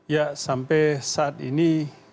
ya sampai saat ini